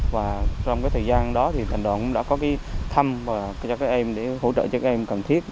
và trong thời gian đó thành đoàn đà nẵng đã có thăm và hỗ trợ cho các em cần thiết